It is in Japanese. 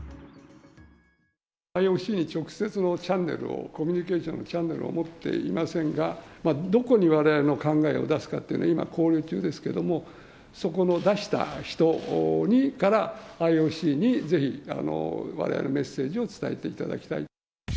ＩＯＣに直接のチャンネルを、コミュニケーションのチャンネルを持っていませんが、どこにわれわれの考えを出すかというのは今、考慮中ですけれども、そこの出した人に、から、ＩＯＣにぜひ、われわれのメッセージを伝えていただきたい。